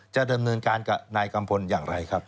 จะดำเนินการกับนายกัมพลอย่างไรครับ